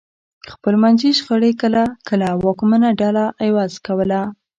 خپلمنځي شخړې کله کله واکمنه ډله عوض کوله.